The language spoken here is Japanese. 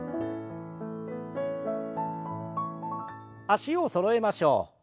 脚をそろえましょう。